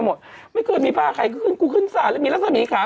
หมดไม่เกิดมีพ่อใครก็ขึ้นกูขึ้นสารแล้วมีรักษณีย์ขา